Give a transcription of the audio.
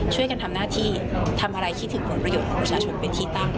ช่วยกันทำหน้าที่ทำอะไรคิดถึงผลประโยชน์ของประชาชนเป็นที่ตั้ง